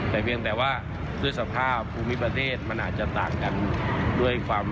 แต่เพียงแต่ว่าภูมิประเทศมันอาจจะต่างกัน